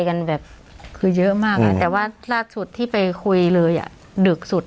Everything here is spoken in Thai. กันแบบคือเยอะมากค่ะแต่ว่าล่าสุดที่ไปคุยเลยอ่ะดึกสุด